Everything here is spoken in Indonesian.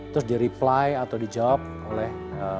terus di reply atau dijawab oleh